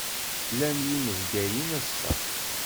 Llan yinabayen ass-a?